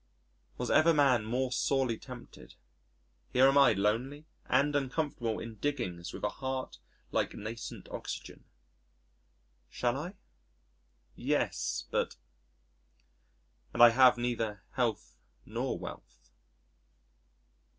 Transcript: Was ever man more sorely tempted? Here am I lonely and uncomfortable in diggings with a heart like nascent oxygen.... Shall I? Yes, but.... And I have neither health nor wealth.